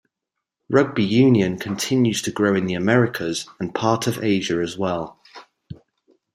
Rugby union continues to grow in the Americas and parts of Asia as well.